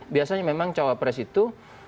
biasanya memang cawapres itu